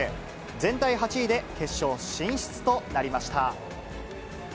全体８位で決勝進出となりました。